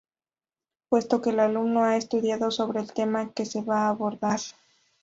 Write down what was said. Puesto que el alumno ha estudiado sobre el tema que se va ha abordar.